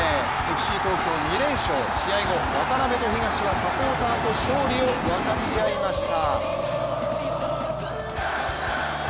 ＦＣ東京２連勝試合後、渡邊と東はサポーターと勝利を分かち合いました。